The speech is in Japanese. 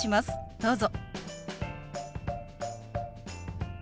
どうぞ。